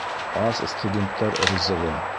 Ас студенттар ризығы!